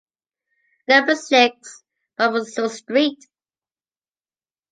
Number six, Barbezieux street.